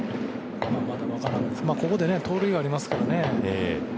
ここで盗塁がありますからね。